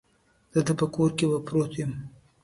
د ده په کور کې به پروت یم.